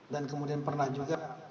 dan kemudian pernah juga